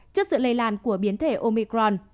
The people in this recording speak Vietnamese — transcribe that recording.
trước sự lây lan của biến thể omicron